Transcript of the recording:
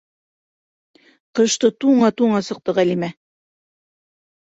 Ҡышты туңа-туңа сыҡты Ғалимә.